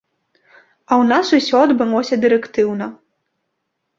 А ў нас усё адбылося дырэктыўна.